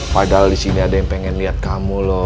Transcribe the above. padahal disini ada yang pengen liat kamu loh